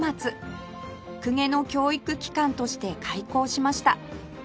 公家の教育機関として開校しました